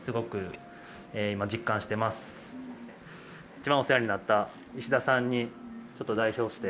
一番お世話になった石田さんにちょっと代表して。